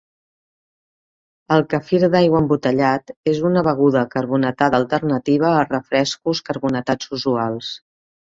El quefir d'aigua embotellat és una beguda carbonatada alternativa als refrescos carbonatats usuals.